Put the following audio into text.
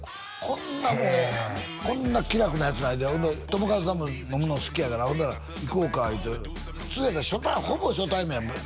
こんなもうこんな気楽なヤツないでほんで友和さんも飲むの好きやからほんだら「行こうか」いうて普通やったらほぼ初対面やん